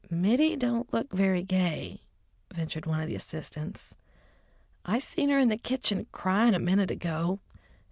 "Mittie don't look very gay," ventured one of the assistants. "I seen her in the kitchen cryin' a minute ago."